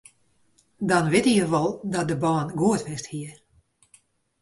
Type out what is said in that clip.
Dan witte je wol dat de bân goed west hie.